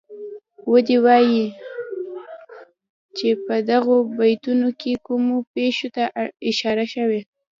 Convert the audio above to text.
ودې وايي چه په دغو بیتونو کې کومو پېښو ته اشاره شوې.